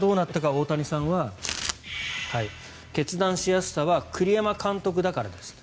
大谷さんは決断しやすさは栗山監督だからですと。